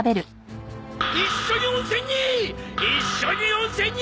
一緒に温泉に！